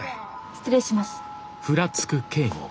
失礼します。